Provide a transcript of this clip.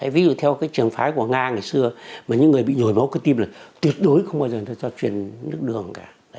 ví dụ theo cái trường phái của nga ngày xưa mà những người bị nhồi máu cái tim là tuyệt đối không bao giờ cho chuyển nước đường cả